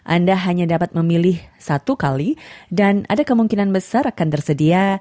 anda hanya dapat memilih satu kali dan ada kemungkinan besar akan tersedia